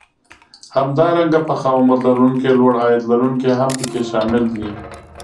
همدارنګه پخه عمر لرونکي لوړ عاید لرونکي هم پکې شامل دي